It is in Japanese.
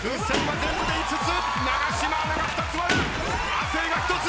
亜生が１つ！